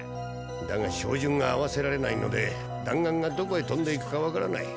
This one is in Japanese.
だが照準が合わせられないので弾丸がどこへとんでいくかわからない。